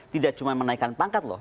tidak cuma menaikkan pangkat loh